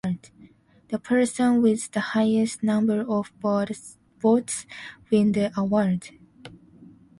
The person with the highest number of votes wins the award.